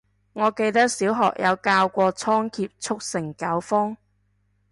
我記得小學有教過倉頡速成九方